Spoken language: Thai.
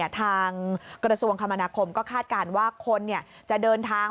ทางกระทรวงคมนาคมก็คาดการณ์ว่าคนจะเดินทาง